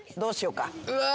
うわ！